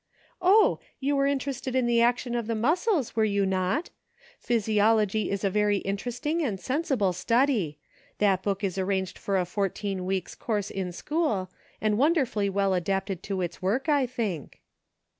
Oh ! you were in terested in the action of the muscles, were you not ? Physiology is a very interesting and sen sible study. That book is arranged for a fourteen weeks' course in school, and wonderfully well adapted to its work, I think."